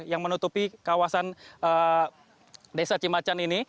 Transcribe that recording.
yang menutupi kawasan desa cimacan ini